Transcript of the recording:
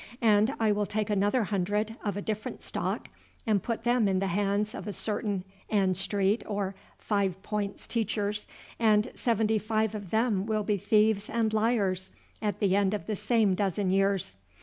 And I will take another hundred, of a different stock, and put them in the hands of certain Ann Street or Five Points teachers, and seventy five of them will be thieves and liars at the end of the same dozen years.